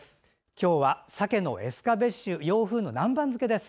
今日は鮭のエスカベッシュ洋風の南蛮漬けです。